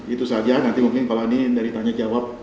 itu saja nanti mungkin pak lani dari tanya jawab